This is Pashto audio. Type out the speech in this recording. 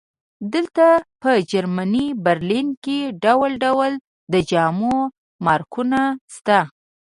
دلته په جرمني برلین کې ډول ډول د جامو مارکونه شته